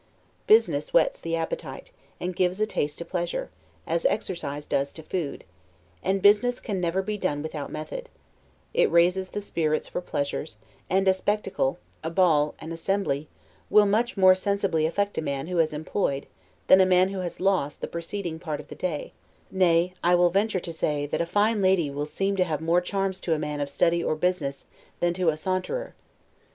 Business whets the appetite, and gives a taste to pleasure, as exercise does to food; and business can never be done without method; it raises the spirits for pleasures; and a SPECTACLE, a ball, an assembly, will much more sensibly affect a man who has employed, than a man who has lost, the preceding part of the day; nay, I will venture to say, that a fine lady will seem to have more charms to a man of study or business, than to a saunterer.